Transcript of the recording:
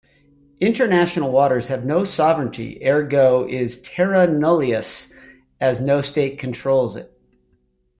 International waters have no sovereignty, ergo is "Terra nullius" as no state controls it.